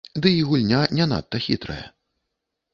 Ды і гульня не надта хітрая.